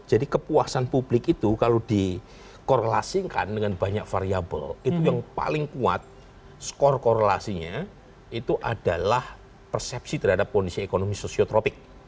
jadi kepuasan publik itu kalau dikorelasikan dengan banyak variabel itu yang paling kuat skor korelasinya itu adalah persepsi terhadap kondisi ekonomi sosiotropik